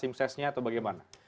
simsesnya atau bagaimana